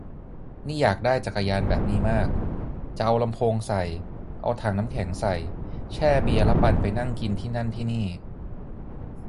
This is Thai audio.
นี่อยากได้จักรยานแบบนี้มาก จะเอาลำโพงใส่ เอาถังน้ำแข็งใส่ แช่เบียร์ แล้วปั่นไปนั่งกินที่นั่นที่นี่